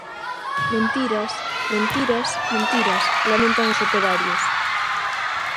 Mentiras, mentiras, mentiras, lamentan os operarios.